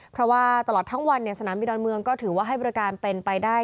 เพราะว่าตลอดทั้งวันสนามบินดอนเมืองก็ถือว่าให้บริการเป็นไปได้